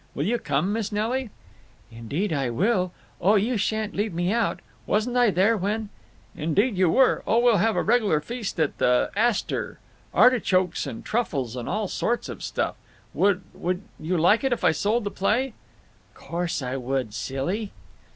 "Will you come, Miss Nelly?" "Indeed I will! Oh, you sha'n't leave me out! Wasn't I there when—" "Indeed you were! Oh, we'll have a reg'lar feast at the Astor—artichokes and truffles and all sorts of stuff…. Would—would you like it if I sold the play?" "Course I would, silly!"